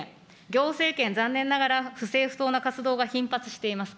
行政権、残念ながら、不正不当な活動が頻発しています。